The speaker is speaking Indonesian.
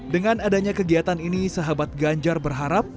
dengan adanya kegiatan ini sahabat ganjar berharap